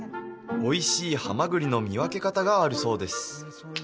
おいしい蛤の見分け方があるそうです